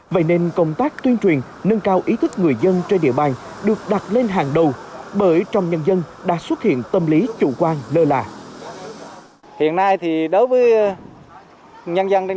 vậy nên công tác tuyên truyền nâng cao ý thức người dân trên địa bàn được đặt lên hàng đầu bởi trong nhân dân đã xuất hiện tâm lý chủ quan lơ là